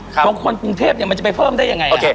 ของคนกรุงเทพมันจะไปเพิ่มได้ยังไง